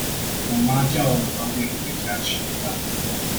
我媽叫我早點回家吃飯